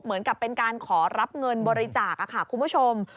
เหมือนกับเป็นการขอรับเงินบริจาคค่ะคุณผู้ชม